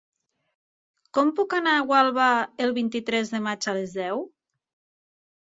Com puc anar a Gualba el vint-i-tres de maig a les deu?